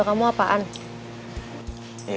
kamu gak inget